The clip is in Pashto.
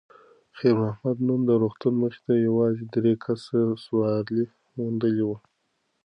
خیر محمد نن د روغتون مخې ته یوازې درې کسه سوارلي موندلې وه.